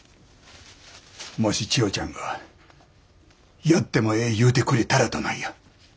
もし千代ちゃんがやってもええ言うてくれたらどないや。